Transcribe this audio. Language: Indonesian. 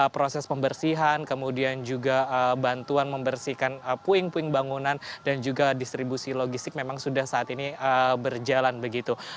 proses pembersihan kemudian juga bantuan membersihkan puing puing bangunan dan juga distribusi logistik memang sudah saat ini berjalan begitu